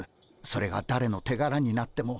それがだれの手柄になっても。